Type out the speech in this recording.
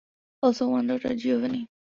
Also one daughter, Giovani.